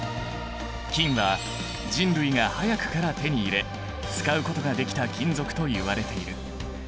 金は人類が早くから手に入れ使うことができた金属といわれている。